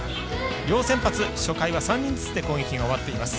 両先発、初回は３人ずつで攻撃が終わっています。